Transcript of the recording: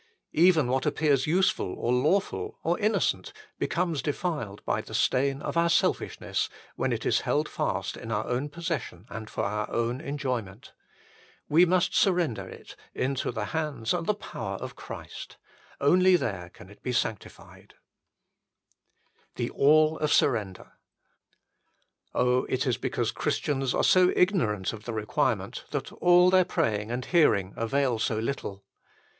Even what appears useful or lawful or innocent becomes defiled by the stain of our selfishness when it is held fast in our own possession and for our own enjoyment. We must surrender it into HOW EVERYTHING MUST BE GIVEN UP 175 the hands and the power of Christ : only there can it be sanctified. The All of surrender : it is because Christians are so ignorant of the requirement that all their praying and hearing avail so little.